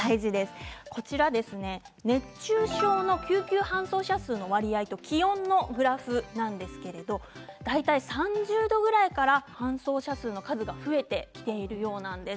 熱中症の救急搬送者数の割合と気温のグラフなんですが大体３０度くらいから搬送者数の数が増えてきているようなんです。